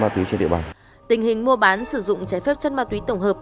tình hình mua bán sử dụng trái phép chất ma túy tổng hợp